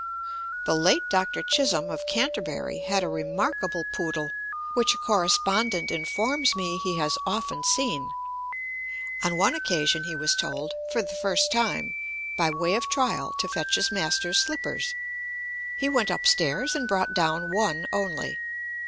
The late Dr. Chisholm of Canterbury had a remarkable poodle, which a correspondent informs me he has often seen. On one occasion he was told, for the first time, by way of trial, to fetch his master's slippers. He went up stairs, and brought down one only.